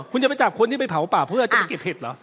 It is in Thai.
คุณจะไปจับคนที่ไปเผาป่าเพื่อจะมาเก็บเห็ดเหรอ